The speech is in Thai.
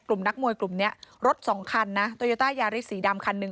นักมวยกลุ่มนี้รถสองคันนะโตโยต้ายาริสสีดำคันหนึ่ง